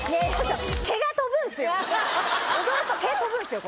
踊ると毛飛ぶんですよ